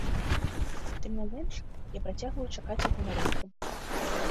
Тым не менш, я працягваю чакаць яго на рынку.